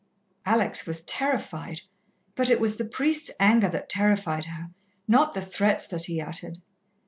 Alex was terrified, but it was the priest's anger that terrified her, not the threats that he uttered.